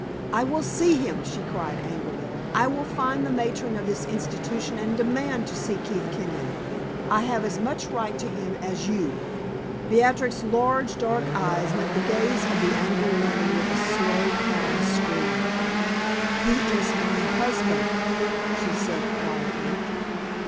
"I will see him!" she cried, angrily. "I will find the matron of this institution, and demand to see Keith Kenyon. I have as much right to him as you." Beatrix's large dark eyes met the gaze of the angry woman with a slow, calm scorn. "He is my husband," she said, quietly.